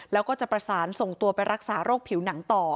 แล้วก็จะประสานส่งตัวไปรักษาโรคผิวหนังต่อ